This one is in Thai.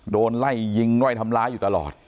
โดนไล่ยิงไล่ทำร้ายอยู่ตลอด